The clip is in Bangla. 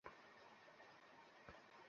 তাঁকে দেখে চোখ শান্ত হত।